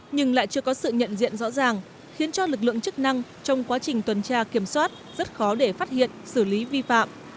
nhưng lại chưa có sự nhận diện rõ ràng khiến cho lực lượng chức năng trong quá trình tuần tra kiểm soát rất khó để phát hiện xử lý vi phạm